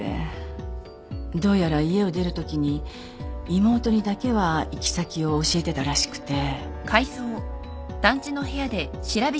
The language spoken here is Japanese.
どうやら家を出るときに妹にだけは行き先を教えてたらしくて。